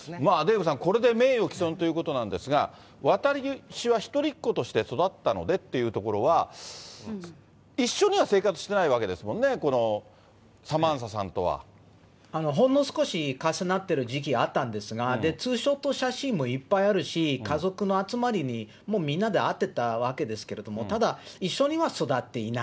デーブさん、これで名誉毀損ということなんですが、私は一人っ子として育ったのでっていうところは、一緒には生活してないわけですもんね、このサマンサさんとは。ほんの少し重なってる時期、あったんですが、ツーショット写真もいっぱいあるし、家族の集まりに、もうみんなで会ってたわけですけれども、ただ、一緒には育っていない。